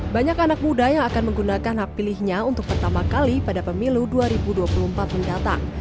banyak anak muda yang akan menggunakan hak pilihnya untuk pertama kali pada pemilu dua ribu dua puluh empat mendatang